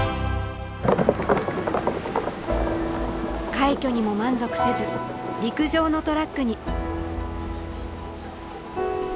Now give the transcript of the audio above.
快挙にも満足せず陸上のトラックに。